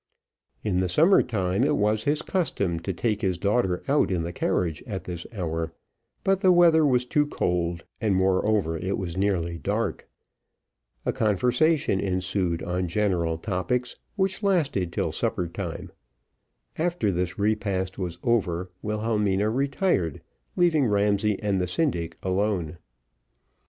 In the summer time it was his custom to take his daughter out in the carriage at this hour, but the weather was too cold, and, moreover, it was nearly dark. A conversation ensued on general topics, which lasted till supper time; after this repast was over Wilhelmina retired, leaving Ramsay and the syndic alone.